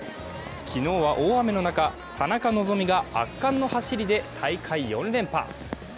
昨日は大雨の中、田中希実が圧巻の走りで大会４連覇。